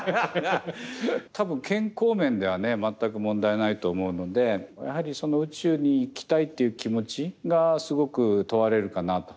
多分健康面ではね全く問題ないと思うのでやはり宇宙に行きたいっていう気持ちがすごく問われるかなと。